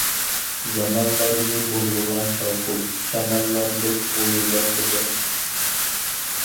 زامانلارنى بۇلغىغان شاۋقۇن، شاماللاردەك غۇيۇلداپ ئۆتەر.